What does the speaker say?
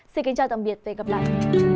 xin kính chào tạm biệt và hẹn gặp lại